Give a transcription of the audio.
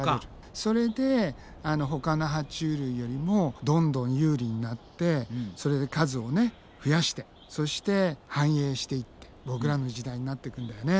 それでほかのは虫類よりもどんどん有利になってそれで数を増やしてそして繁栄していってボクらの時代になっていくんだよね。